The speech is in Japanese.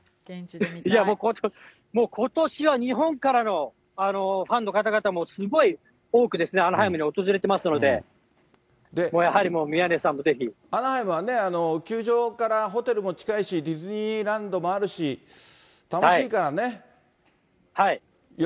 もうことしは日本からのファンの方々もすごい多くアナハイムに訪れてますので、やはりもう、アナハイムはね、球場からホテルも近いし、ディズニーランドもあるし、楽しいからね。